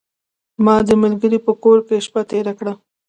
ما د ملګري په کور کې شپه تیره کړه .